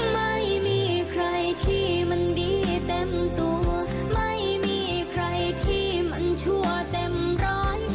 ไม่มีใครที่มันดีเต็มตัวไม่มีใครที่มันชั่วเต็มร้อย